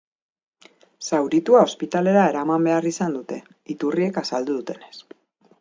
Zauritua ospitalera eraman behar izan dute, iturriek azaldu dutenez.